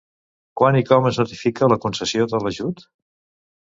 Quan i com es notifica la concessió de l'ajut?